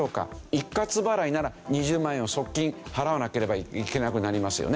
一括払いなら２０万円を即金払わなければいけなくなりますよね。